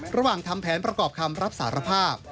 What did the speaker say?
ทำแผนประกอบคำรับสารภาพ